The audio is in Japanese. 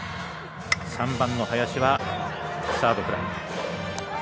３番の林はサードフライ。